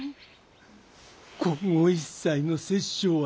今後一切の殺生はならぬ。